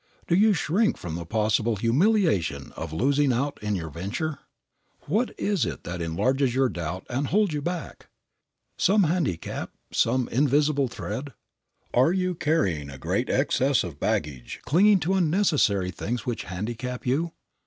Do you shrink from the possible humiliation of losing out in your venture? What is it that enlarges your doubt and holds you back? Some handicap, some invisible thread? Are you carrying a great excess of baggage, clinging to unnecessary things which handicap you?